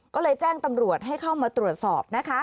ก็เลยแจ้งตำรวจให้เข้ามาตรวจสอบนะคะ